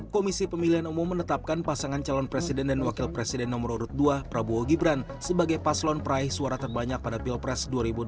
komisi pemilihan umum menetapkan pasangan calon presiden dan wakil presiden nomor urut dua prabowo gibran sebagai paslon peraih suara terbanyak pada pilpres dua ribu dua puluh